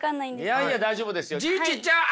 いやいや大丈夫ですよ。